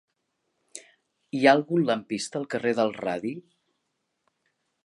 Hi ha algun lampista al carrer del Radi?